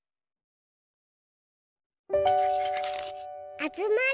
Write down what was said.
あつまれ。